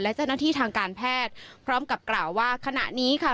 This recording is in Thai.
และเจ้าหน้าที่ทางการแพทย์พร้อมกับกล่าวว่าขณะนี้ค่ะ